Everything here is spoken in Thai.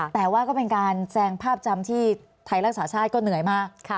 แต่ว่าก็เป็นการแซงภาพจำที่ไทยรักษาชาติก็เหนื่อยมาก